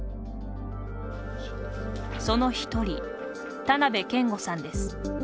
その１人、田邉健吾さんです。